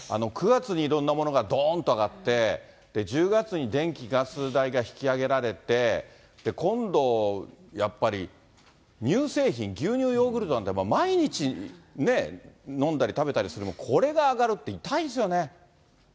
９月にいろんなものがどーんと上がって、１０月に電気、ガス代が引き上げられて、今度やっぱり、乳製品、牛乳、ヨーグルトなんて毎日飲んだり食べたりするもの、これが上がるって痛いですよね。